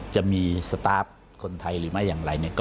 จะมีสตาร์ฟคนไทยหรือไม่อย่างไร